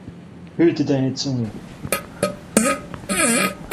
Hüte deine Zunge!